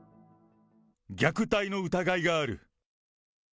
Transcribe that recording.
虐待の疑いがある。